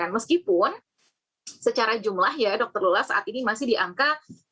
meskipun secara jumlah ya dokter lula saat ini masih di angka satu ratus sembilan puluh enam dua ratus delapan puluh satu